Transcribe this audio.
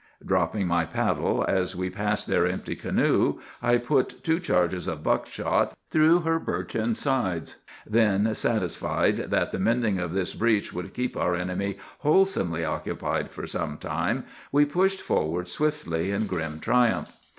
"Dropping my paddle, as we passed their empty canoe, I put two charges of buck shot through her birchen sides. Then, satisfied that the mending of this breach would keep our enemy wholesomely occupied for some time, we pushed forward swiftly in grim triumph.